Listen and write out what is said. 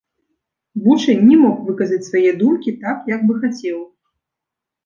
Вучань не мог выказаць свае думкі так, як бы хацеў.